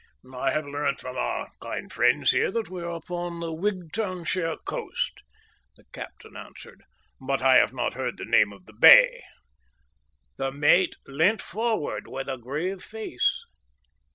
"I have learnt from our kind friends here that we are upon the Wigtownshire coast," the captain answered, "but I have not heard the name of the bay." The mate leant forward with a grave face.